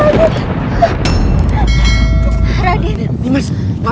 seperti yang di sana menurut gua